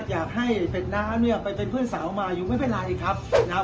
อยากให้เป็ดน้ำเนี่ยไปเป็นเพื่อนสาวมาอยู่ไม่เป็นไรครับนะครับ